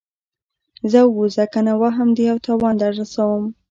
ځه ووځه کنه وهم دې او تاوان در رسوم.